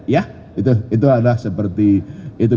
ya itu adalah seperti itu